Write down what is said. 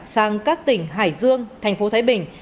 sang các tỉnh hải dương thành phố thái bình